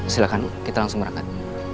silahkan kita langsung berangkat